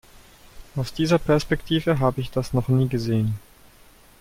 Aus dieser Perspektive habe ich das noch nie gesehen.